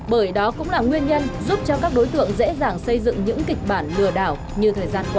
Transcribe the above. bởi đó cũng là nguyên nhân giúp cho các đối tượng dễ dàng xây dựng những kịch bản lừa đảo như thời gian qua